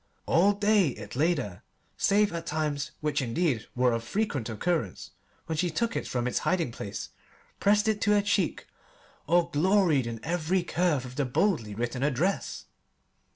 All day it lay there, save at times which, indeed, were of frequent occurrence when she took it from its hiding place, pressed it to her cheek, or gloried in every curve of the boldly written address.